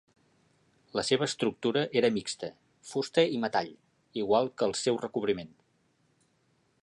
La seva estructura era mixta, fusta i metall, igual que el seu recobriment.